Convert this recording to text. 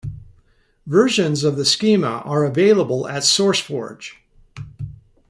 Versions of the schema are available at Sourceforge.